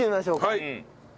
はい。